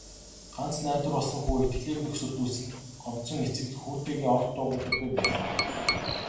Ганц найдвар болсон хүү итгэлийг нь хөсөрдүүлсэнд гомдсон эцэг хүүтэйгээ огт дуугардаггүй байлаа.